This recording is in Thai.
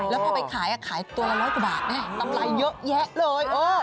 แล้วพอไปขายขายตัวละ๑๐๐กว่าบาทนำลายเยอะแยะเลย